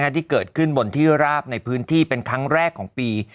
ที่เกิดขึ้นบนที่ราบในพื้นที่เป็นครั้งแรกของปี